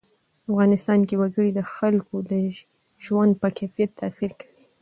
افغانستان کې وګړي د خلکو د ژوند په کیفیت تاثیر کوي.